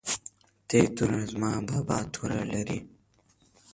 ت توره زما بابا توره لري